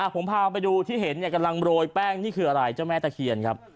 ผมพาไปดูที่เห็นกำลังโรยแป้งนี่คืออะไรเจ้าแม่ตะเคียนครับ